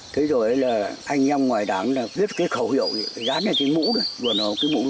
thế rồi là anh nhau ngoài đảng là viết cái khẩu hiệu gắn lên cái mũ đó